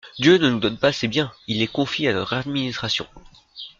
Dieu ne nous donne pas ses biens: il les confie à notre administration.